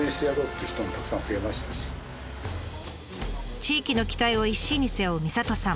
地域の期待を一身に背負うみさとさん。